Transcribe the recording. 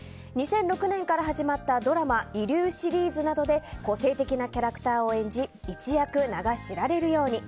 ２００６年から始まったドラマ「医龍」シリーズなどで個性的なキャラクターを演じ一躍名が知られるように。